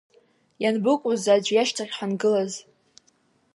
Ианбыкәыз аӡә ишьҭахь ҳангылаз?